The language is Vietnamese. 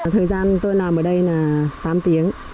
thời gian tôi làm ở đây là tám tiếng